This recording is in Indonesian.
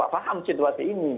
paham situasi ini